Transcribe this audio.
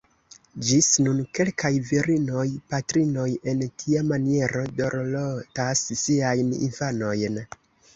Ĝis nun kelkaj virinoj-patrinoj en tia maniero dorlotas siajn infanojn.